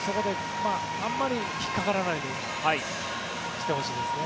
あまり引っかからないようにしてほしいですね。